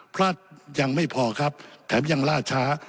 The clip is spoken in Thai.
พลาดยังไม่พอครับแถมยังล่าช้า